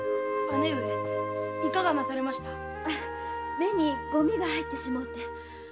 目にゴミが入ってしもうて。